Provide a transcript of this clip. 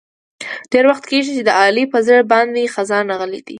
ډېر وخت کېږي چې د علي په زړه باندې خزان راغلی دی.